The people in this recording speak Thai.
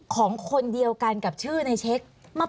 ของคนเดียวกันกับชื่อในเช็คมาเปิดน่ะ